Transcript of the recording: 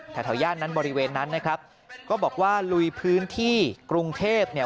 แถวย่านนั้นบริเวณนั้นนะครับก็บอกว่าลุยพื้นที่กรุงเทพเนี่ย